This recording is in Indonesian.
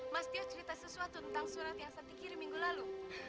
mas tia cerita sesuatu tentang surat yang santi kirim minggu lalu